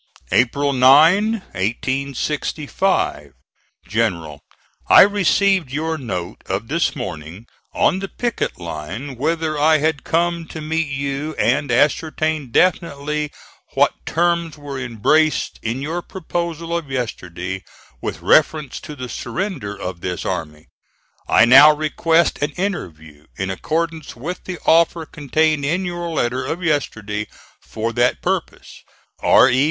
April 9, 1865. GENERAL: I received your note of this morning on the picket line whither I had come to meet you and ascertain definitely what terms were embraced in your proposal of yesterday with reference to the surrender of this army. I now request an interview in accordance with the offer contained in your letter of yesterday for that purpose. R. E.